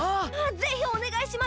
ぜひおねがいします。